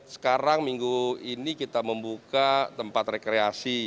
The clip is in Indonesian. sekarang minggu ini kita membuka tempat rekreasi